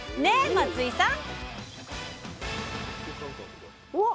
松井さん？